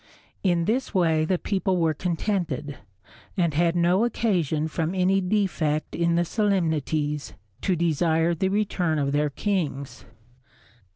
In this way the people were contented, and had no occasion from any defect in the solemnities to desire the return of their kings.